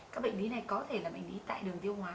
các bệnh ví này có thể là bệnh ví tại đường tiêu hóa